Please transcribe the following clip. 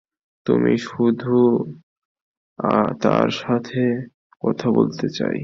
আমি শুধু তার সাথে কথা বলতে চাই।